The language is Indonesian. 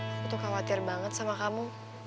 aku tuh khawatir banget sama kamu